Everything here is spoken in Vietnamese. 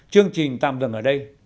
chương trình tạm dừng ở đây